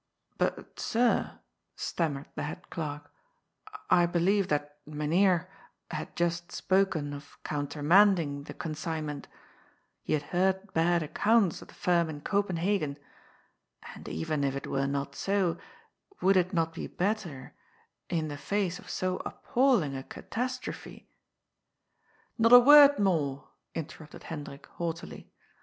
''" But, sir," stammered the head clerk, " I believe that Mynheer had just spoken of countermanding the consign ment. He had heard bad accounts of the firm in Copen hagen. And even if it were not so, would it not be better, in the face of so appalling a catastrophe " "Not a word more," interrupted Hendrik haughtily.